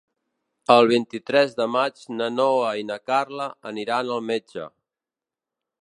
El vint-i-tres de maig na Noa i na Carla aniran al metge.